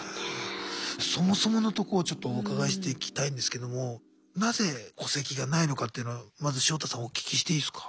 そもそものとこをちょっとお伺いしていきたいんですけどもなぜ戸籍がないのかというのはまずショウタさんお聞きしていいですか？